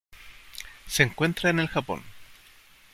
Se encuentra en el Japón.